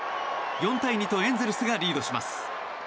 ４対２とエンゼルスがリードします。